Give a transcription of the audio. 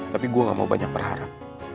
tapi gue gak mau banyak berharap